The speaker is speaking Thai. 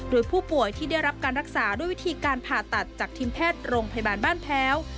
โดยผู้ป่วยที่ได้รับการรักษาด้วยวิธีการผ่าตัดจากทีมแพทย์โรงพยาบาลบ้านแพ้ว